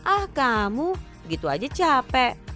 ah kamu gitu aja capek